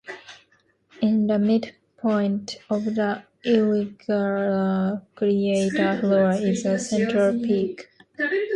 In the midpoint of the irregular crater floor is a central peak.